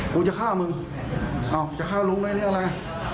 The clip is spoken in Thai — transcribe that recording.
กูจะฆ่ามึงอ้าวจะฆ่าลุงอะไรเรียกอะไร